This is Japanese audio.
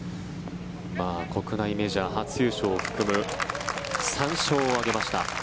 国内メジャー初優勝を含む３勝を挙げました。